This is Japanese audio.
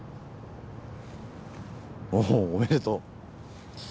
おぉおめでとう。